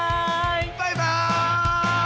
バイバイ！